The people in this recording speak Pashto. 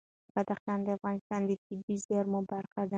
بدخشان د افغانستان د طبیعي زیرمو برخه ده.